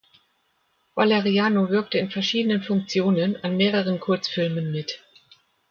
Valeriano wirkte in verschiedenen Funktionen an mehreren Kurzfilmen mit.